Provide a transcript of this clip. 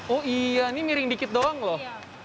oh iya ini miring dikit doang loh